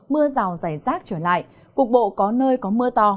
mưa rào rải rác trở lại cục bộ có nơi có mưa to